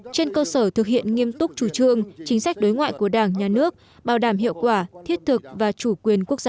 trên cơ sở thực hiện nghiêm túc chủ trương chính sách đối ngoại của đảng nhà nước bảo đảm hiệu quả thiết thực và chủ quyền quốc gia